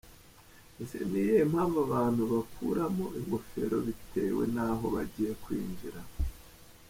Ese ni iyihe mpamvu abantu bakuramo ingofero bitewe naho bagiye kwinjira?.